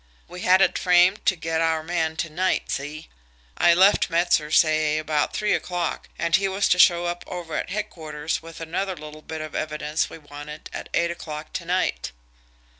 We had it framed to get our man to night see? I left Metzer, say, about three o'clock, and he was to show up over at headquarters with another little bit of evidence we wanted at eight o'clock to night."